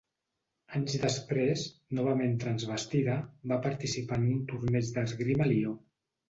Anys després, novament transvestida, va participar en un torneig d'esgrima a Lió.